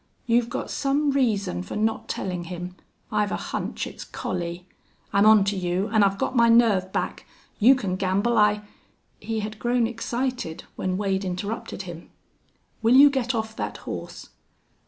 You've got some reason for not telling him. I've a hunch it's Collie. I'm on to you, and I've got my nerve back. You can gamble I " He had grown excited when Wade interrupted him. "Will you get off that horse?"